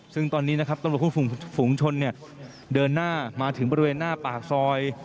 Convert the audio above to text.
ซึ่งตอนนี้นะครับตำรวจฝูงชนเดินหน้ามาถึงบริเวณหน้าปากซอย